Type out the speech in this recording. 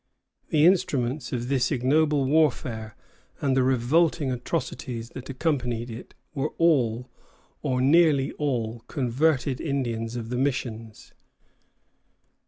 The instruments of this ignoble warfare and the revolting atrocities that accompanied it were all, or nearly all, converted Indians of the missions.